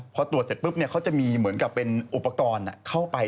พอตรวจเสร็จปุ๊บเขาจะมีเหมือนกับเป็นอุปกรณ์เข้าไป